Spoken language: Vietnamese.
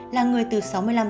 là người từ sáu tháng